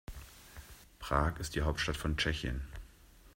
Prag ist die Hauptstadt von Tschechien.